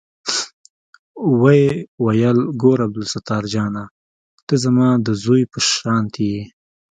ويې ويل ګوره عبدالستار جانه ته زما د زوى په شانتې يې.